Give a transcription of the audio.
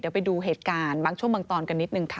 เดี๋ยวไปดูเหตุการณ์บางช่วงบางตอนกันนิดนึงค่ะ